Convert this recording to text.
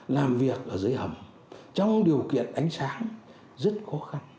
làm việc ở dưới hầm trong điều kiện ánh sáng rất khó khăn